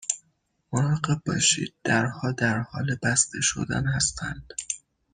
مراقب باشید، درها در حال بسته شدن هستند.